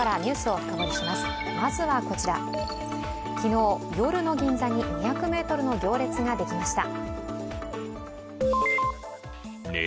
まずは昨日、夜の銀座に２００ｍの行列ができました。